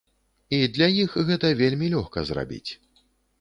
І для іх гэта вельмі лёгка зрабіць.